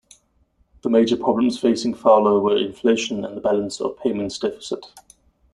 The major problems facing Fowler were inflation and the balance of payments deficit.